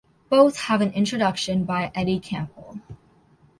Both have an introduction by Eddie Campbell.